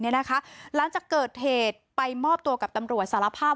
หลังจากเกิดเหตุไปมอบตัวกับตำรวจสารภาพ